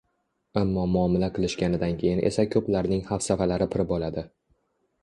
Ammo muomila qilishganidan keyin esa ko‘plarining hafsalalari pir bo‘ladi.